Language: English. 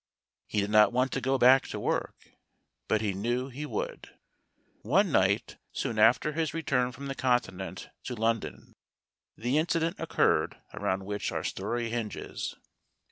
He did not want to go back to work, but he knew he would. One night, soon after his return from the Continent to London, the incident occurred around which our story hinges.